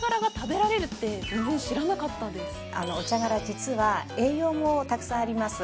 実は栄養もたくさんあります。